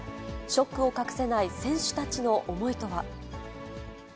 ショックを隠せない選手たちの思いとは。